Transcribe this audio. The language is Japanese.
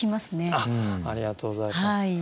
ありがとうございます。